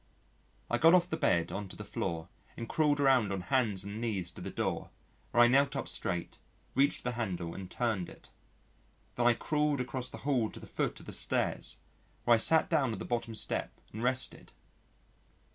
I got off the bed on to the floor and crawled around on hands and knees to the door, where I knelt up straight, reached the handle and turned it. Then I crawled across the hall to the foot of the stairs, where I sat down on the bottom step and rested.